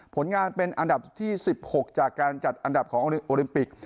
ผลงานเป็นอันดับที่๑๖จากการจัดอันดับของโอลิมปิก